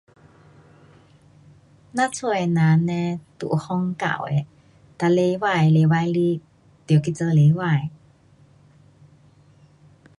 咱家的人呢，都有奉教的，每礼拜礼拜日得去做礼拜。